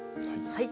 はい。